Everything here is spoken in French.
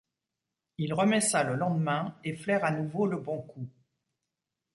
Il remet ça le lendemain et flaire à nouveau le bon coup.